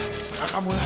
terserah kamu kak